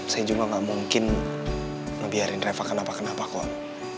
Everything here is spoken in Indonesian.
saya cuma gak mungkin ngebiarin reva kenapa kenapa kok